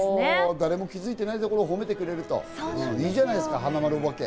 誰も気づいてないところを褒めてくれるといいじゃないですか、はなまるおばけ。